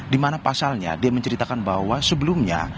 dimana pasalnya dia menceritakan bahwa sebelumnya